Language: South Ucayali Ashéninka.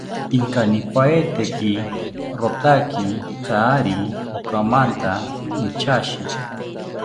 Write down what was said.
Inkanipaeteki rotaki kaari okamanta inchashi